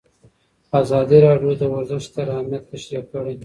ازادي راډیو د ورزش ستر اهميت تشریح کړی.